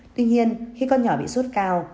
tuy nhiên khi con nhỏ bị suốt cao